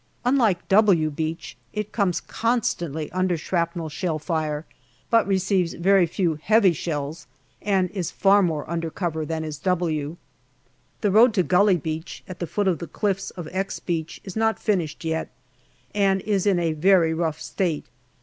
Unlike " W " Beach, it comes constantly under shrapnel shell fire, but receives very few heavy shells, and is far more under cover than is " W." The road to Gully Beach, at the foot of the cliffs of " X " Beach, is not finished yet, and is in a very rough state.